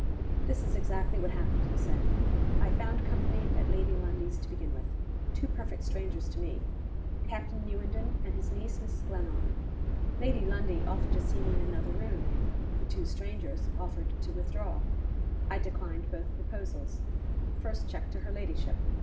"This is exactly what happened," he said. "I found company at Lady Lundie's, to begin with. Two perfect strangers to me. Captain Newenden, and his niece, Mrs. Glenarm. Lady Lundie offered to see me in another room; the two strangers offered to withdraw. I declined both proposals. First check to her ladyship!